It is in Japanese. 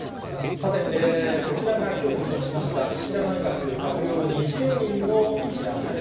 さて、こちらがきょう発足しました岸田内閣閣僚２０人の一覧です。